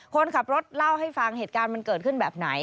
คนขับรถเล่าให้ฟังเหตุการณ์มันเกิดขึ้นแบบไหน